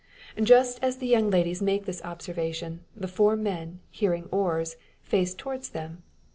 Just as the young ladies make this observation, the four men, hearing oars, face towards them.